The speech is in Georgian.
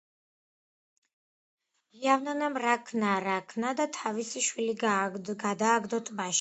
იავნანამ რა ქნა რა ქნა და თავისი შვილი გადააგდო ტბაში